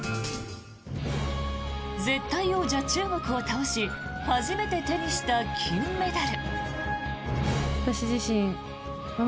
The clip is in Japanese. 絶対王者・中国を倒し初めて手にした金メダル。